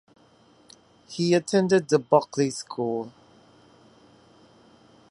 He attended The Buckley School.